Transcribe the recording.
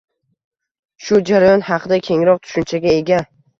Shu jarayon haqida kengroq tushunchaga ega.